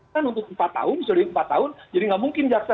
karena untuk empat tahun misalnya empat tahun jadi tidak mungkin jaksa